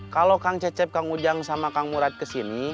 kalau kang cecep kang ujang sama kang murad kesini